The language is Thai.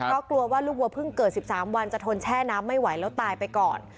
เพราะกลัวว่าลูกวัวเพิ่งเกิด๑๓วันจะทนแช่น้ำไม่ไหวแล้วตายไปก่อน